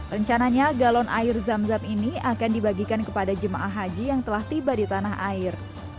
rencananya galon air zam zam ini akan dibagikan kepada jemaah haji yang telah tiba di tanah air